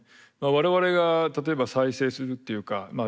我々が例えば再生するっていうかまあ